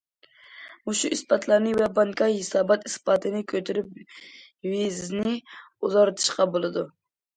مۇشۇ ئىسپاتلارنى ۋە بانكا ھېسابات ئىسپاتىنى كۆتۈرۈپ ۋىزىنى ئۇزارتىشقا بولىدۇ.